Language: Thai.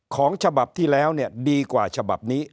ของฉบับที่แล้วเนี่ยดีกว่าฉบับนี้